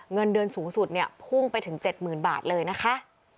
เงินเดือนสูงสุดเนี่ยพุ่งไปถึง๗๐๐๐บาทเลยนะคะ